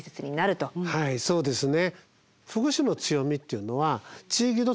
はいそうですね。